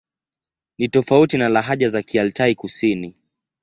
Ni tofauti na lahaja za Kialtai-Kusini.